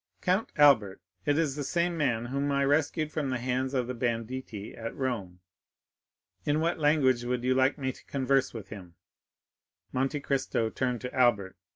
"Count Albert; it is the same man whom I rescued from the hands of the banditti at Rome." "In what language would you like me to converse with him?" Monte Cristo turned to Albert.